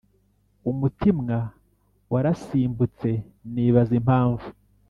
umutimwa warasimbutse nibaza impamvu